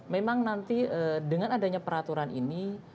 memang nanti dengan adanya peraturan ini